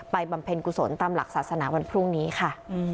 บำเพ็ญกุศลตามหลักศาสนาวันพรุ่งนี้ค่ะ